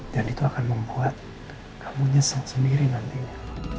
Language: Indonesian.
dan itu akan membuat kamu nyesel sendiri nantinya